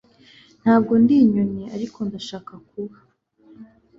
Ntabwo ndi inyoni, ariko ndashaka kuba.